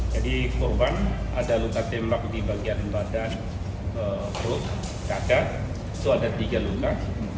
jadi korban ada luka tembak di bagian badan perut dada itu ada tiga luka